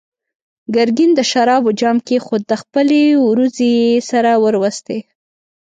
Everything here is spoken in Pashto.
ګرګين د شرابو جام کېښود، خپلې وروځې يې سره وروستې.